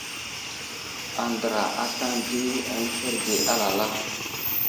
Andra aslane di anuherge alala.